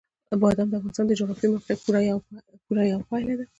بادام د افغانستان د جغرافیایي موقیعت پوره یوه پایله ده.